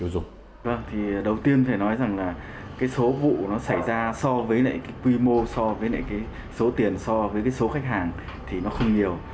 thì đầu tiên phải nói rằng là cái số vụ nó xảy ra so với lại cái quy mô so với cái số tiền so với cái số khách hàng thì nó không nhiều